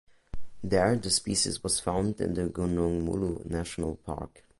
There the species was found in the Gunung Mulu National Park.